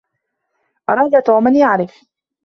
أراد توم أن تعرف.